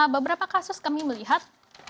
beberapa kasus kami melihat